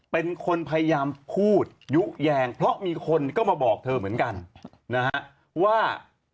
เป็นคนพยายามพูดยุแยงเพราะมีคนก็มาบอกเธอเหมือนกันนะฮะว่า